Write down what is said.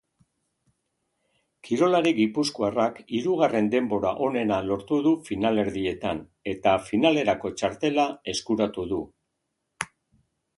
Kirolari gipuzkoarrak hirugarren denbora onena lortu du finalerdietan eta finalerako txartela eskuratu du.